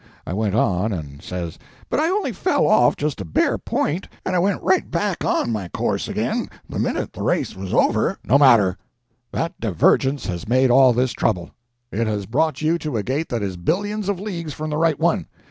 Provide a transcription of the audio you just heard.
I went on, and says— "But I only fell off just a bare point, and I went right back on my course again the minute the race was over." "No matter—that divergence has made all this trouble. It has brought you to a gate that is billions of leagues from the right one.